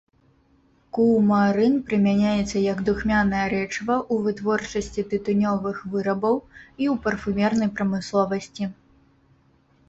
Кумарын прымяняецца як духмянае рэчыва ў вытворчасці тытунёвых вырабаў і ў парфумернай прамысловасці.